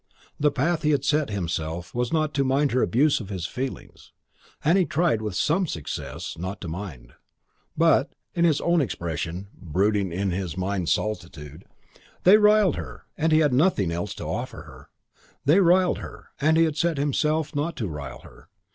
The path he had set himself was not to mind her abuse of his feelings, and he tried with some success not to mind; but (in his own expression, brooding in his mind's solitude) they riled her and he had nothing else to offer her; they riled her and he had set himself not to rile her.